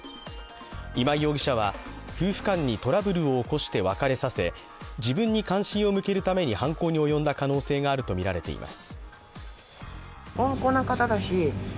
今井容疑者は、夫婦間にトラブルを起こして別れさせ自分に関心を向けるために犯行に及んだ可能性があるとみられています。